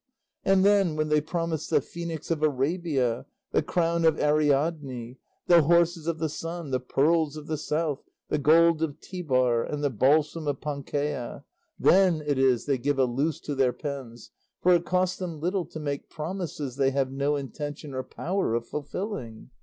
And then when they promise the Phoenix of Arabia, the crown of Ariadne, the horses of the Sun, the pearls of the South, the gold of Tibar, and the balsam of Panchaia! Then it is they give a loose to their pens, for it costs them little to make promises they have no intention or power of fulfilling.